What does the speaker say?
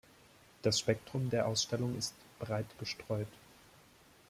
Das Spektrum der Ausstellung ist breit gestreut.